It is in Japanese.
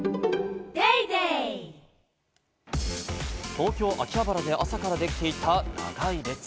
東京・秋葉原で朝からできていた長い列。